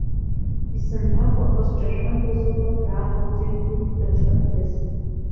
Исымҳәакәа ахы сҿашәандаз лҳәо дааҟалҵеит уи даҽа ԥҳәыск.